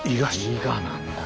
伊賀なんだ。